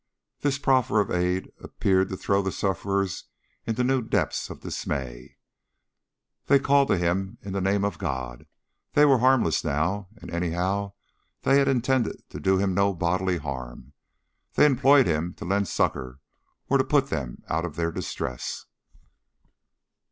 This proffer of aid appeared to throw the sufferers into new depths of dismay. They called to him in the name of God. They were harmless, now, and anyhow they had intended to do him no bodily harm. They implored him to lend succor or to put them out of their distress.